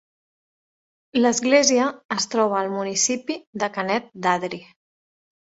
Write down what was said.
L'església es troba al municipi de Canet d'Adri.